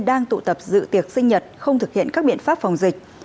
đang tụ tập dự tiệc sinh nhật không thực hiện các biện pháp phòng dịch